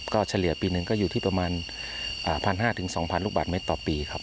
ก็เฉลี่ยปีหนึ่งก็อยู่ที่ประมาณ๑๕๐๐๒๐๐ลูกบาทเมตรต่อปีครับ